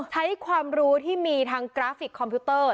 ใช้ความรู้ที่มีทางกราฟิกคอมพิวเตอร์